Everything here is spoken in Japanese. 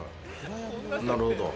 なるほど。